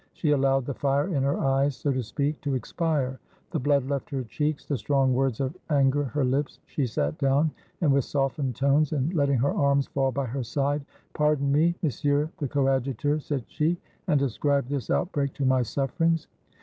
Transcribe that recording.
She allowed the fire in her eyes, so to speak, to expire; the blood left her cheeks, the strong words of anger her lips. She sat down, and with softened tones, and letting her arms fall by her side, "Pardon me, Monsieur the Coadjutor," said she, "and ascribe this outbreak to my sufferings.